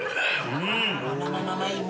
うん。